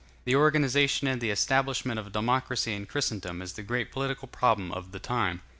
The organization and the establishment of democracy in Christendom is the great political problem of the time.